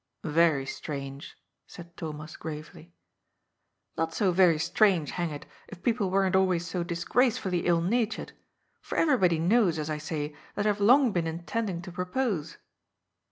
" Very strange," said Thomas gravely. *^ Not so very strange, hang it, if people weren't always so disgracefully ill natured, for everybody knows, as I say, that I have long been intending to propose."